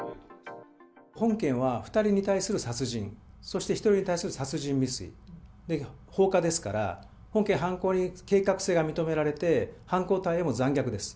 本件は、２人に対する殺人、そして１人に対する殺人未遂、で、放火ですから、本件犯行に計画性が認められて、犯行態様も残虐です。